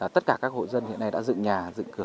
tất cả các hộ dân hiện nay đã dựng nhà dựng cửa